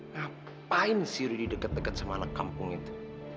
ngapain sih rudy deket deket sama anak kampung itu